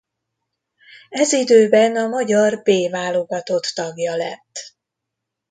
Ez időben a magyar B válogatott tagja lett.